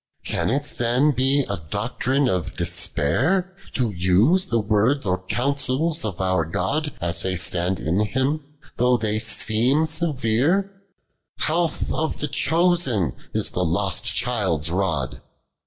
fan it tlii'O he a doctrine of despair, To use the words or oouncils of our God As they stand in Him, though they worn severe ? Health of tlio elioBen is the lost child's rod.